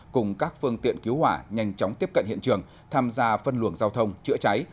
cùng các phương tiện cứu hỏa nhanh chóng tiếp cận hiện trường tham gia phân luồng giao thông chữa cháy